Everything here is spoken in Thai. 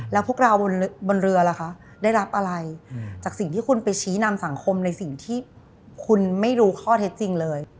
แล้วพวกเราบนเรือล่ะคะได้รับอะไรจากสิ่งที่คุณไปชี้นำสังคมในสิ่งที่คุณไม่รู้ข้อเท็จจริงเลย